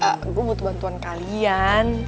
ya maksudnya gue butuh bantuan kalian